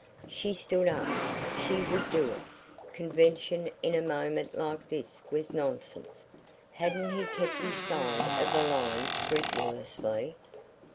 She stood up. She would do it. Convention in a moment like this was nonsense. Hadn't he kept his side of the line scrupulously?